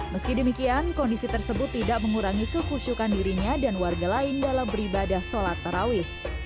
meski demikian kondisi tersebut tidak mengurangi kekusyukan dirinya dan warga lain dalam beribadah sholat tarawih